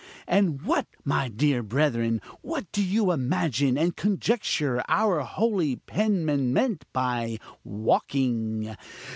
"And what, my dear brethren, what do you imagine and conjecture our holy penman meant by 'walking?'